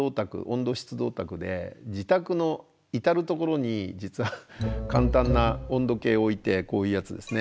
湿度オタクで自宅の至る所に実は簡単な温度計を置いてこういうやつですね。